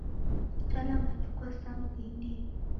Tala matuku asanu ghiidie